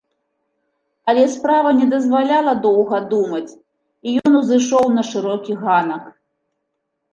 Але справа не дазваляла доўга думаць, і ён узышоў на шырокі ганак.